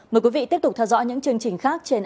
mời quý vị tiếp tục theo dõi những chương trình khác trên ant